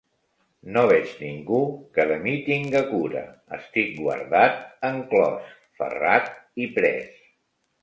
No veig ningú que de mi tinga cura, estic guardat enclòs, ferrat i pres.